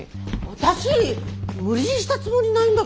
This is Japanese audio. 私無理強いしたつもりないんだけど。